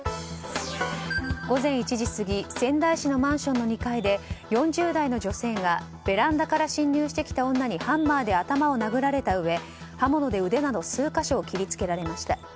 午前１時過ぎ仙台市のマンションの２階で４０代の女性がベランダから侵入してきた女にハンマーで頭を殴られたうえ刃物で腕など数か所を切り付けられました。